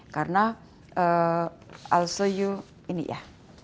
karena saya akan menunjukkan ini ya